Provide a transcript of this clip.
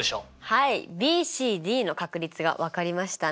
はいＢＣＤの確率が分かりましたね。